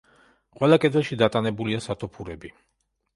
ყველა კედელში დატანებულია სათოფურები.